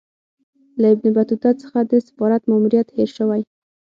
له ابن بطوطه څخه د سفارت ماموریت هېر سوی.